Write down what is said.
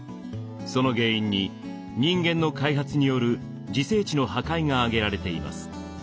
その原因に人間の開発による自生地の破壊が挙げられています。